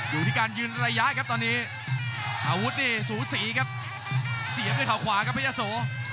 อยู่ที่การยืนระยะครับตอนนี้อาวุธนี่สูสีครับเสียบด้วยเขาขวาครับพระยะโส